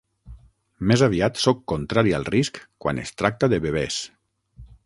Més aviat sóc contrari al risc quan es tracta de bebès.